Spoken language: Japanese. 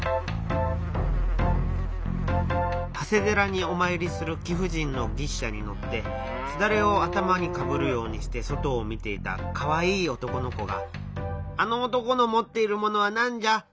「長谷寺におまいりする貴婦人の牛車に乗って簾を頭にかぶるようにして外を見ていたかわいい男の子が「あの男の持っているものはなんじゃ？